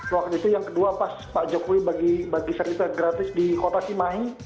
waktu itu yang kedua pas pak jokowi bagi cerita gratis di kota timahi